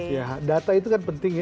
ya data itu kan penting ya